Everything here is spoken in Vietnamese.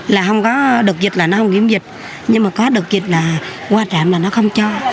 là không có được dịch là nó không kiểm dịch nhưng mà có được dịch là qua trạm là nó không cho